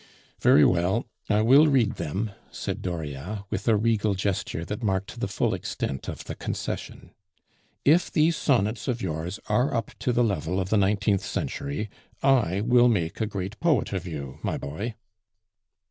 "Very well, I will read them," said Dauriat, with a regal gesture that marked the full extent of the concession. "If these sonnets of yours are up to the level of the nineteenth century, I will make a great poet of you, my boy."